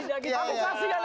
ya kita terpaksa